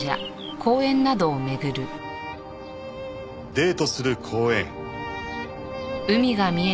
デートする公園。